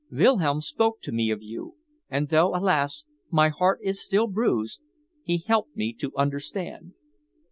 Wilhelm spoke to me of you, and though, alas! my heart is still bruised, he helped me to understand."